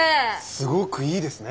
すごくいいですね。